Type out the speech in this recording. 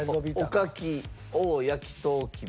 おかきＯｈ！焼とうきび。